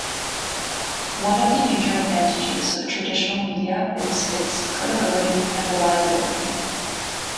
One of the major advantages of traditional media is its credibility and reliability.